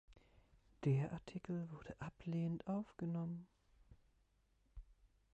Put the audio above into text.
Der Artikel wurde ablehnend aufgenommen.